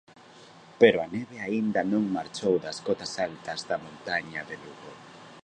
Pero a neve aínda non marchou das cotas altas da montaña de Lugo.